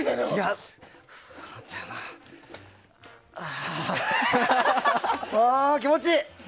ああ、気持ちいい！